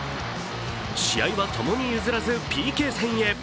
試合はともに譲らず、ＰＫ戦へ。